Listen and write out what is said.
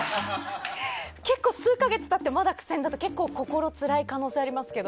結構数か月経って苦戦だと結構心つらい可能性ありますけど。